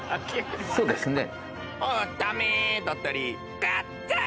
そうですね。